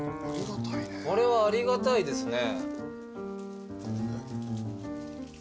これはありがたいですね。